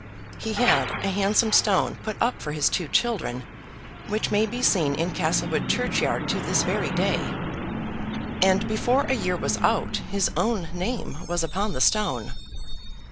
He had a handsome stone put up for his two children, which may be seen in Castlewood churchyard to this very day; and before a year was out his own name was upon the stone.